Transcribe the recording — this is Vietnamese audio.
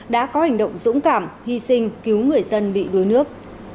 đã có hành động dũng cảm hy sinh cứu người dân bị đuối nước